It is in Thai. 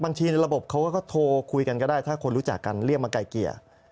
ในระบบเขาก็โทรคุยกันก็ได้ถ้าคนรู้จักกันเรียกมาไกลเกลี่ย